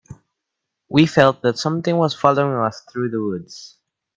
We felt that something was following us through the woods.